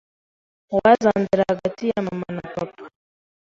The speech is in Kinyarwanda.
uwazandera hagati ya mama na papa